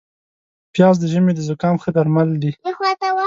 پیاز د ژمي د زکام ښه درمل دي